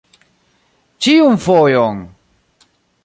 Ĉiun fojon!